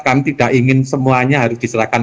kami tidak ingin semuanya harus diserahkan